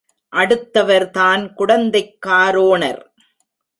அடுத்தவர் தான் குடந்தைக் காரோணர்.